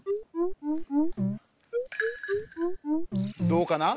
どうかな？